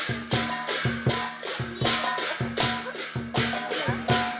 kisah tentang kehidupan yang harmoni